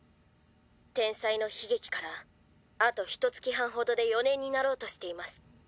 天災の悲劇からあとひと月半ほどで４年になろうとしています。